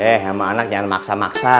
eh sama anak jangan maksa maksa